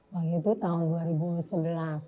waktu itu tahun dua ribu sebelas